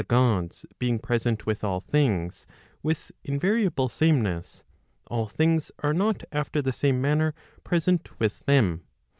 397 Gods being present with all things with invariable sameness, all things are not after the same manner present with them.